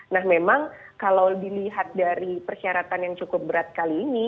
nah memang kalau dilihat dari persyaratan yang cukup berat kali ini